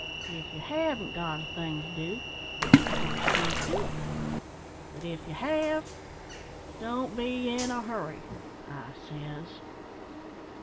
If ye haven't got a thing to do, in coorse ye can't do it, but if ye have, don't be in a hurry I says."